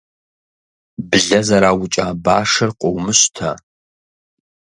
Блэ зэраукӏа башыр къыумыщтэ.